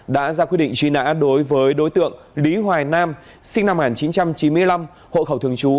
đã ra quyết định truy nã đối với đối tượng lý hoài nam sinh năm một nghìn chín trăm chín mươi năm hộ khẩu thường trú